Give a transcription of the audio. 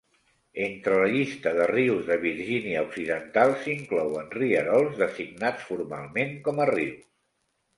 Entre la llista de rius de Virginia Occidental s'inclouen rierols designats formalment com a rius.